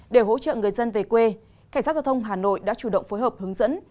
để hỗ trợ người dân về quê cảnh sát giao thông hà nội đã chủ động phối hợp hướng dẫn